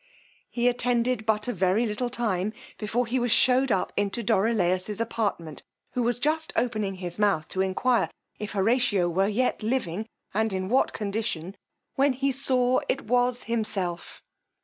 He attended but a very little time before he was shewed up into Dorilaus's apartment, who was just opening his mouth to enquire if Horatio were yet living, and in what condition, when he saw it was himself.